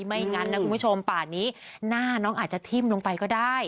ไม่งั้นนะคุณผู้ชมป่านนี้หน้าน้องอาจจะทิ้มลงไปก็ได้